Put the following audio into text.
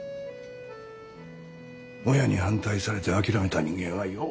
親に反対されて諦めた人間はよ